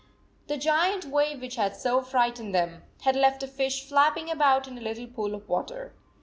The giant wave which had so frightened them, had left a fish flapping about in a little pool of water.